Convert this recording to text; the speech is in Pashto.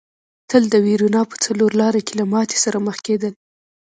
تل د وېرونا په څلور لاره کې له ماتې سره مخ کېدل.